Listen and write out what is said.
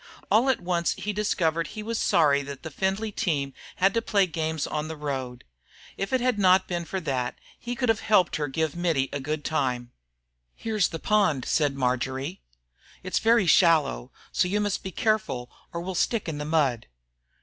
All at once he discovered he was sorry that the Findlay team had to play games on the road. If it had not been for that he could have helped her give Mittie a good time. "Here's the pond," said Marjory. "It's very shallow, so you must be careful or we 'll stick in the mud."